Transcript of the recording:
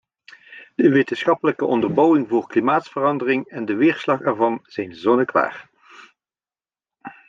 De wetenschappelijke onderbouwingen voor klimaatverandering en de weerslag ervan zijn zonneklaar.